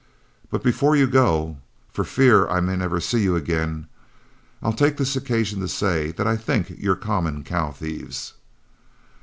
But before you go, for fear I may never see you again, I'll take this occasion to say that I think you're common cow thieves."